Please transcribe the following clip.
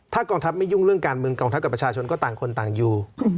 ถ้ากองทัพไม่ยุ่งเรื่องการเมืองกองทัพกับประชาชนก็ต่างคนต่างอยู่